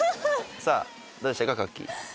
さあどうでしたかかっきー。